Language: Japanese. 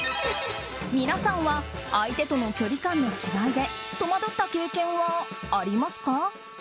皆さんは相手との距離感の違いで戸惑った経験はありますか？